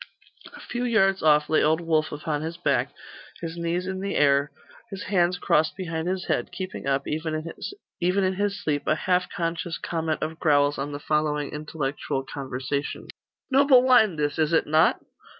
A few yards off lay old Wulf upon his back, his knees in the air, his hands crossed behind his head, keeping up, even in his sleep, a half conscious comment of growls on the following intellectual conversation: 'Noble wine this, is it not?